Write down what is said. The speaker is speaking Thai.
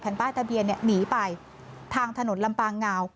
แผ่นป้ายทะเบียนเนี่ยหนีไปทางถนนลำปางงาว